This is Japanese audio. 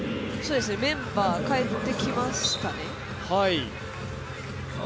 メンバー代えてきましたね。